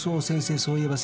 そういえば先生。